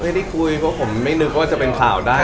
ไม่ได้คุยเพราะผมไม่นึกว่าจะเป็นข่าวได้